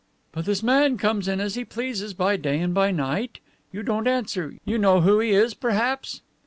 "But this man comes in as he pleases by day and by night? You don't answer. You know who he is, perhaps?"